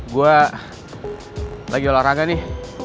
gue lagi olahraga nih